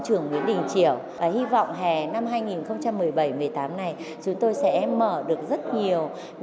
tuy đôi khi thầy cũng nóng tính